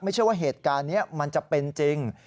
เชื่อว่าเหตุการณ์นี้มันจะเป็นจริง